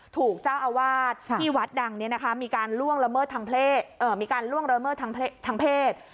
ถูกเจ้าอาวาสที่วัดดั่งเนี่ยนะคะมีการล่วงระเมิดทางเพศ